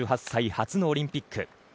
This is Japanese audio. １８歳初のオリンピック。